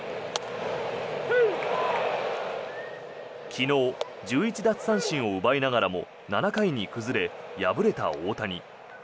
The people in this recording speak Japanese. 昨日、１１奪三振を奪いながらも７回に崩れ、敗れた大谷。